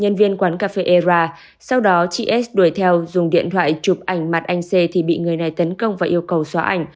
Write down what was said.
nhân viên quán cà phê era sau đó chị s đuổi theo dùng điện thoại chụp ảnh mặt anh c thì bị người này tấn công và yêu cầu xóa ảnh